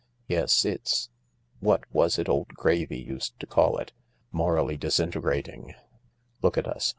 " Yes, it's — what was it old Gravy used to call it ?— 'morally disintegrating/ Look at us.